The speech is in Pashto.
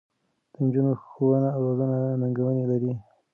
د نجونو ښوونه او روزنه ننګونې لري.